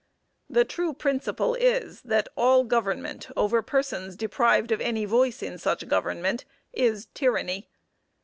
The true principle is, that all government over persons deprived of any voice in such government, is tyranny.